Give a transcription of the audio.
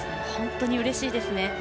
本当にうれしいですね。